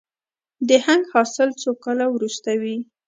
د هنګ حاصل څو کاله وروسته وي؟